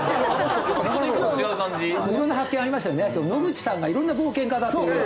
野口さんが色んな冒険家だっていう。